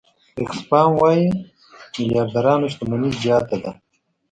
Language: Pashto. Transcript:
آکسفام وايي میلیاردرانو شتمني زیاته ده.